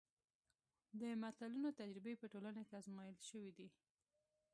د متلونو تجربې په ټولنه کې ازمایل شوي دي